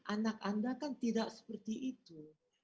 anak anda kan tidak seperti itu